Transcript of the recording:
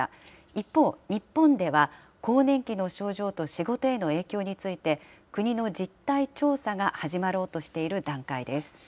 一方、日本では更年期の症状と仕事への影響について、国の実態調査が始まろうとしている段階です。